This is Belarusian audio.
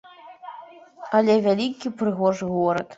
Але вялікі, прыгожы горад.